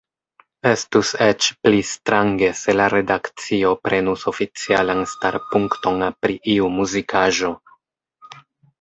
Estus eĉ pli strange se la redakcio prenus oficialan starpunkton pri iu muzikaĵo.